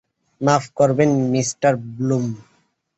মাফ করবেন, Mr Bloom.